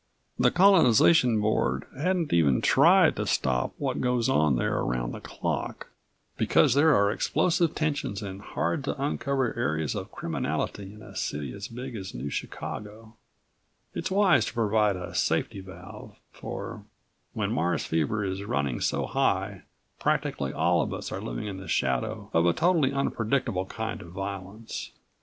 The Colonization Board hadn't even tried to stop what goes on there around the clock, because there are explosive tensions and hard to uncover areas of criminality in a city as big as New Chicago it's wise to provide a safety valve for when Mars fever is running so high practically all of us are living in the shadow of a totally unpredictable kind of violence.